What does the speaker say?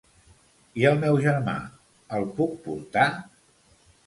I el meu germà, el puc portar?